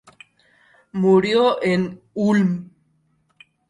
Murió en Ulm.